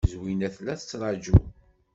Zwina tella tettṛaju.